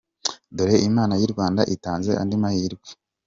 Dore Imana y’i Rwanda itanze andi mahirwe!